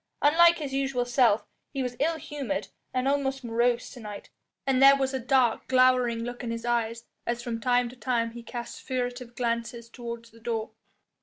Unlike his usual self he was ill humoured and almost morose to night, and there was a dark, glowering look in his eyes as from time to time he cast furtive glances towards the door.